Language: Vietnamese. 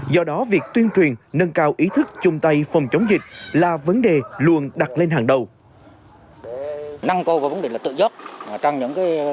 do đó việc tuyên truyền nâng cao ý thức chung tay phòng chống dịch là vấn đề luôn đặt lên hàng đầu